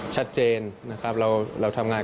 ชัดเจนเราทำงาน